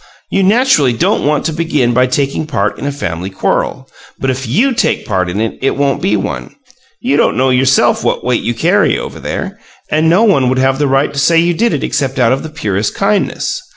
"You naturally don't want to begin by taking part in a family quarrel, but if YOU take part in it, it won't be one. You don't know yourself what weight you carry over there, and no one would have the right to say you did it except out of the purest kindness.